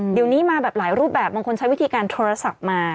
เดี๋ยวนี้มาแบบหลายรูปแบบบางคนใช้วิธีการโทรศัพท์มา